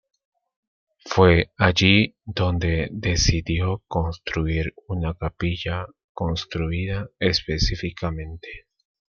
Fue allí donde decidió construir una capilla construida específicamente.